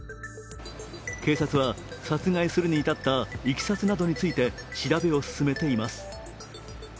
警察は殺害するにいたったいきさつなどについて調べを進めています。